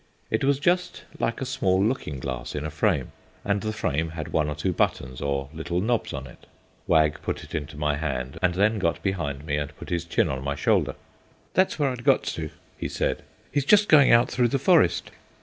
It was just like a small looking glass in a frame, and the frame had one or two buttons or little knobs on it. Wag put it into my hand and then got behind me and put his chin on my shoulder. "That's where I'd got to," he said; "he's just going out through the forest."